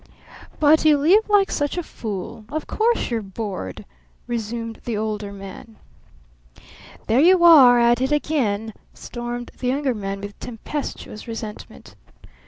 "But you live like such a fool of course you're bored," resumed the Older Man. "There you are at it again!" stormed the Younger Man with tempestuous resentment.